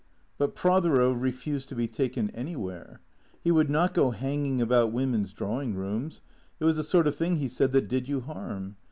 But Prothero refused to be taken anywhere. He would not go hanging about women's drawing rooms. It was the sort of thing, he said, that did you harm.